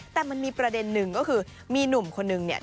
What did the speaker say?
แต่มันมีประเด็นหนึ่งก็คือมีหนุ่มคนนึงเนี่ย